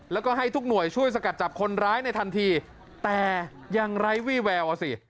แล้วก็ให้ทุกหน่วยช่วยสกัดจับคนร้ายในทันทีแต่ยังไร้วี่แววอ่ะสิ